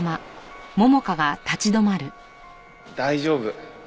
大丈夫。